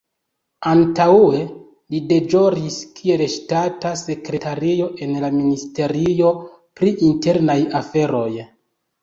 Antaŭe li deĵoris kiel ŝtata sekretario en la Ministerio pri internaj aferoj.